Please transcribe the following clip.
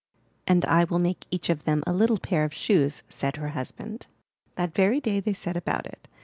"And I will make each of them a little pair of shoes," said her husband. That very day they set about it.